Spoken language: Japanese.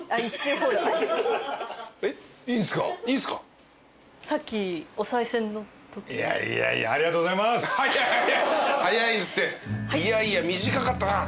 「いやいや」短かったな。